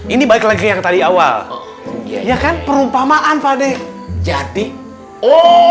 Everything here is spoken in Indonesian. ini baik lagi yang tadi awal ya kan perumpamaan fadik jadi oh